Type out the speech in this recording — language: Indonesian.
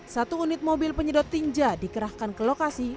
satu unit mobil penyedot tinja dikerahkan ke lokasi